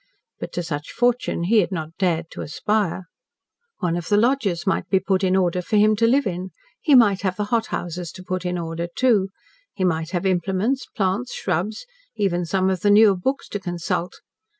But to such fortune he had not dared to aspire. One of the lodges might be put in order for him to live in. He might have the hothouses to put in order, too; he might have implements, plants, shrubs, even some of the newer books to consult.